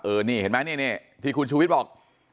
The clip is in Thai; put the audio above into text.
เออนี่เห็นไหมที่คุณชูวิทย์บอก